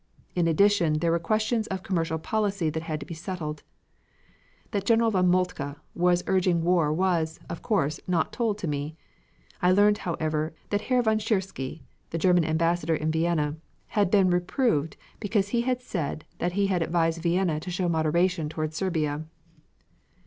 In addition, there were questions of commercial policy that had to be settled. That General von Moltke was urging war was, of course, not told to me. I learned, however, that Herr von Tschirschky (the German Ambassador in Vienna) had been reproved because he said that he had advised Vienna to show moderation toward Serbia.